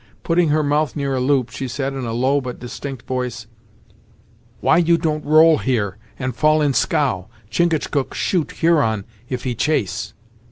Putting her mouth near a loop she said in a low but distinct voice "Why you don't roll here, and fall in scow? Chingachgook shoot Huron, if he chase!"